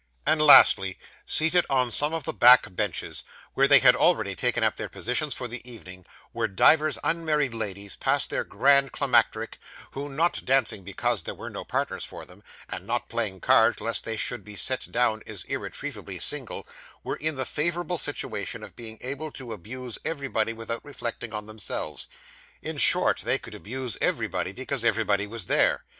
And lastly, seated on some of the back benches, where they had already taken up their positions for the evening, were divers unmarried ladies past their grand climacteric, who, not dancing because there were no partners for them, and not playing cards lest they should be set down as irretrievably single, were in the favourable situation of being able to abuse everybody without reflecting on themselves. In short, they could abuse everybody, because everybody was there.